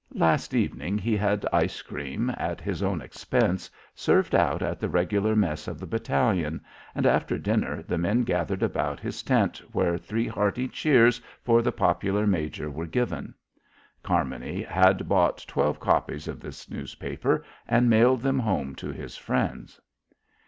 Last evening he had ice cream, at his own expense, served out at the regular mess of the battalion, and after dinner the men gathered about his tent where three hearty cheers for the popular major were given." Carmony had bought twelve copies of this newspaper and mailed them home to his friends.